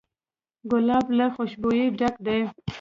ګلاب له خوشبویۍ ډک دی.